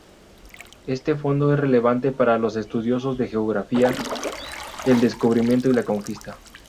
Este fondo es relevante para los estudiosos de geografía, el Descubrimiento y la Conquista.